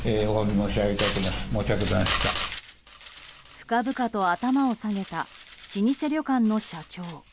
深々と頭を下げた老舗旅館の社長。